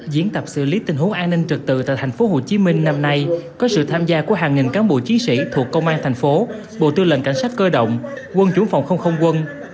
diễn tập xử lý tình huống an ninh trực tự tại tp hcm năm nay có sự tham gia của hàng nghìn cán bộ chiến sĩ thuộc công an thành phố bộ tư lệnh cảnh sát cơ động quân chúng phòng không không quân